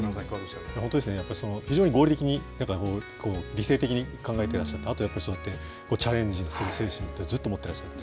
本当ですね、やっぱり非常に合理的に理性的に考えてらっしゃって、あとやっぱり、そうやってチャレンジする精神っていうのをずっと持ってらっしゃって。